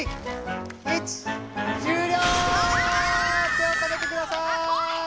手を止めてください！